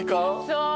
そう。